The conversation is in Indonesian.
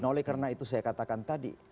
nah oleh karena itu saya katakan tadi